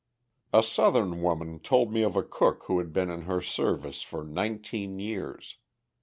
A Southern woman told me of a cook who had been in her service for nineteen years.